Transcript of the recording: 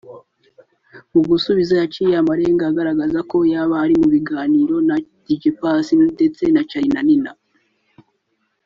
mu gusubiza yaciye amarenga agaragaza ko yaba ari mu biganiro na Dj Pius ndetse na Charly na Nina